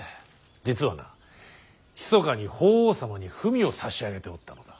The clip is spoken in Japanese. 実はなひそかに法皇様に文を差し上げておったのだ。